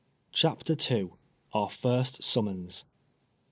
CHAPTER II. OUR FIRST SUMMONS.